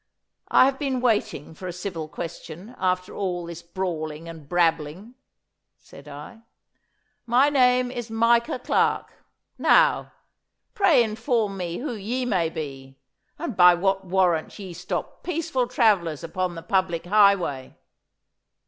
'I have been waiting for a civil question after all this brawling and brabbling,' said I. 'My name is Micah Clarke. Now, pray inform me who ye may be, and by what warrant ye stop peaceful travellers upon the public highway?